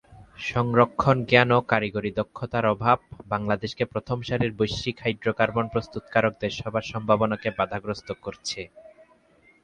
সংরক্ষন জ্ঞান ও কারিগরি দক্ষতার অভাব বাংলাদেশকে প্রথম সারির বৈশ্বিক হাইড্রোকার্বন প্রস্তুতকারক দেশ হবার সম্ভাবনাকে বাধাগ্রস্ত করছে।